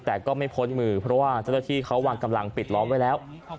แต่ก็ไม่พ้นมือเพราะว่าเจ้าหน้าที่เขาวางกำลังปิดล้อมไว้แล้ว